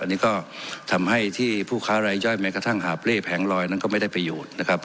อันนี้ก็ทำให้ที่ผู้ค้ารายย่อยแม้กระทั่งหาบเล่แผงลอยนั้นก็ไม่ได้ประโยชน์นะครับ